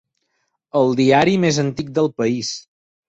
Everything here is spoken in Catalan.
El diari més antic del país.